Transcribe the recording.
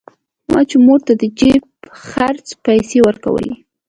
ما چې مور ته د جيب خرڅ پيسې ورکولې.